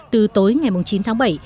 từ tối ngày chín tháng bảy